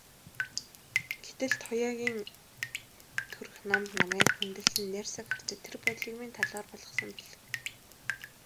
Гэтэл Туяагийн төрх намба, намайг хүндэлсэн найрсаг харьцаа тэр бодлыг минь талаар болгосон билээ.